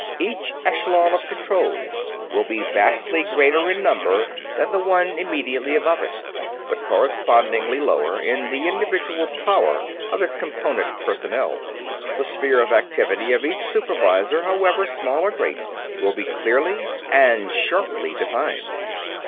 Each echelon of control will be vastly greater in number than the one immediately above it, but correspondingly lower in the individual power of its component personnel. The sphere of activity of each supervisor, however small or great, will be clearly and sharply defined.